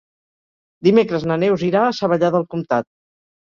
Dimecres na Neus irà a Savallà del Comtat.